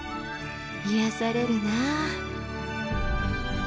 癒やされるなあ。